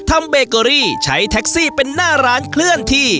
เบเกอรี่ใช้แท็กซี่เป็นหน้าร้านเคลื่อนที่